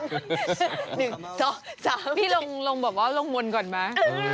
หนึ่งสองสามพี่ลงบอกว่าลงมนต์ก่อนมา